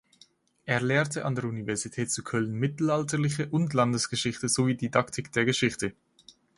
Er lehrte an der Universität zu Köln Mittelalterliche und Landesgeschichte sowie Didaktik der Geschichte.